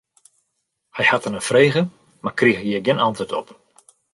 Hy hat der nei frege, mar kriget hjir gjin antwurd op.